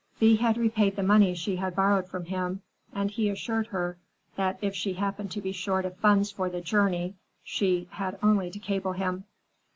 Thea had repaid the money she had borrowed from him, and he assured her that if she happened to be short of funds for the journey, she had only to cable him.